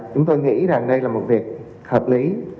chúng tôi nghĩ rằng đây là một việc hợp lý